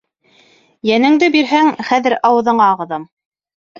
— Йәнеңде бирһәң, хәҙер ауыҙыңа ағыҙам.